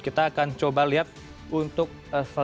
kita akan coba lihat untuk seluruh nafas atau kondisi nafas